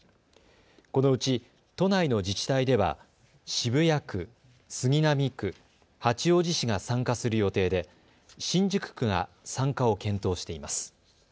このうち都内の自治体では渋谷区、杉並区、八王子市が参加する予定で新宿区が参加を検討しています。